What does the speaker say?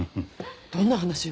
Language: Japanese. どんな話よ？